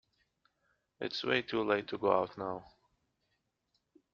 It's way too late to go out now.